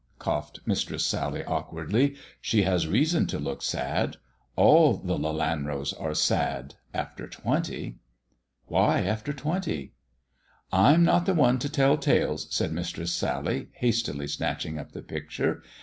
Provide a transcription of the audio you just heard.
" coughed Mistress Sally awkwardly, " she has reason to look sad. All the Lelanros are sad — after twenty." " Why after twenty ?"" I'm not the one to tell tales," said Mistress Sally, hastily snatching up the picture.